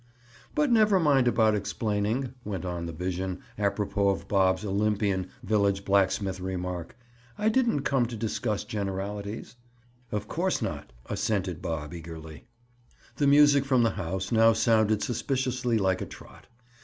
"But never mind about explaining," went on the vision, apropos of Bob's Olympian, village blacksmith remark. "I didn't come to discuss generalities." "Of course not," assented Bob eagerly. The music from the house now sounded suspiciously like a trot.